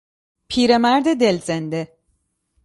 پیر مرد دل زنده